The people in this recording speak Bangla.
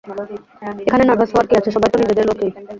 এখানে নার্ভাস হওয়ার কী আছে, সবাই তো নিজেদের লোকেই।